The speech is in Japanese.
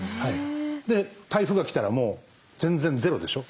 で台風が来たらもう全然ゼロでしょ。